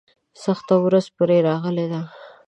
سخته ورځ پرې راغلې ده.